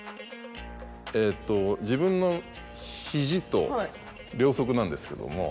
えっと自分の肘と両足なんですけども。